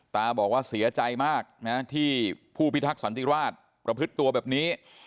ตาบอกว่าเสียใจมากที่ผู้พิทักษ์สอนติราชรผึดตัวแบบนี้